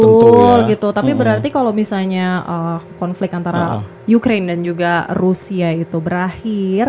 betul gitu tapi berarti kalau misalnya konflik antara ukraine dan juga rusia itu berakhir